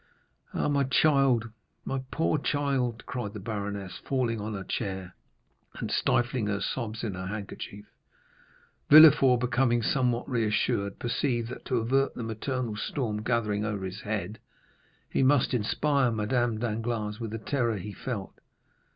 "Ah, my child, my poor child!" cried the baroness, falling on her chair, and stifling her sobs in her handkerchief. Villefort, becoming somewhat reassured, perceived that to avert the maternal storm gathering over his head, he must inspire Madame Danglars with the terror he felt.